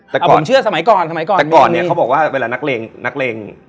แต่ผมเชื่อสมัยก่อนสมัยก่อนแต่ก่อนเนี่ยเขาบอกว่าเวลานักเลง